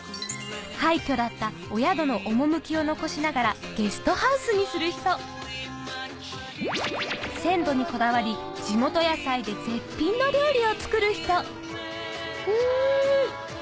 廃虚だったお宿の趣を残しながらゲストハウスにする人鮮度にこだわりを作る人うん！